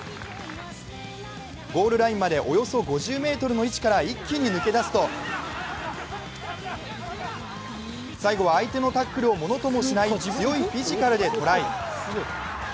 ゴールラインまでおよそ５０ｍの位置から一気に抜け出すと最後は相手のタックルをものともしない強いフィジカルでトライ。